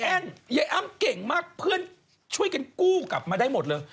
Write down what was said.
ยายอ้ำเก่งมากเพื่อนช่วยกันกู้กลับมาได้หมดเลย